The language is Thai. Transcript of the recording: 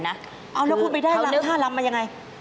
แล้วน้องคุณไปได้ถ้ารำมันยังไง